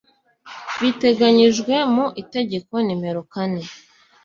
biteganyijwe mu itegeko nimero kane